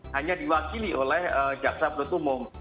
hanya diwakili oleh jaksa penutup umum